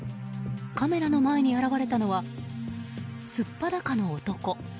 カメラの前に現れたのは素っ裸の男。